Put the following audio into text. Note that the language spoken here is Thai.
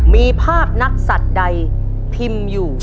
มีภาพนักศัตริย์ใดพิมพ์อยู่